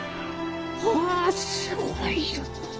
はあすごいのう。